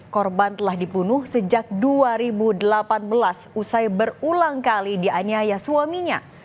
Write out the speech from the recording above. korban telah dibunuh sejak dua ribu delapan belas usai berulang kali dianiaya suaminya